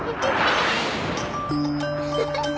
ハハハ。